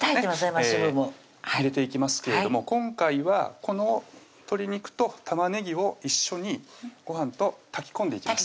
マッシュルーム入れていきますけれども今回はこの鶏肉と玉ねぎを一緒にごはんと炊き込んでいきます